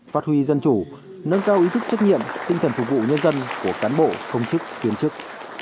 phát huy dân chủ nâng cao ý thức trách nhiệm tinh thần phục vụ nhân dân của cán bộ công chức viên chức